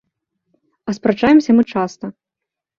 А спрачаемся мы часта.